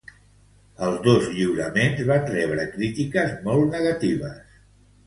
Els dos lliuraments van rebre crítiques molt negatives.